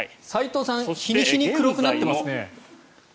齋藤さん日に日に黒くなってますね。